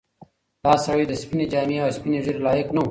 دا سړی د سپینې جامې او سپینې ږیرې لایق نه و.